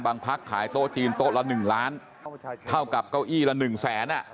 บางพักขายโต๊ะจีนโต๊ะละ๑ล้านเท่ากับเก้าอี้ละ๑แสน